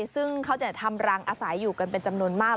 ซึ่งเขาจะทำรังอาศัยอยู่กันเป็นจำนวนมาก